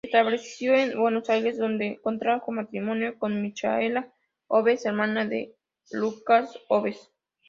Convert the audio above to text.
Establecido en Buenos Aires, donde contrajo matrimonio con Micaela Obes, hermana de Lucas Obes.